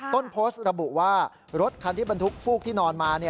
ต้นโพสต์ระบุว่ารถคันที่บรรทุกฟูกที่นอนมา